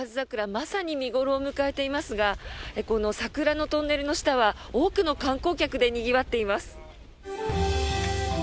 まさに見頃を迎えていますがこの桜のトンネルの下は多くの観光客でにぎわっています。